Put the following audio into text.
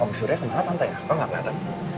om surya kenapa tante ya kok gak keliatan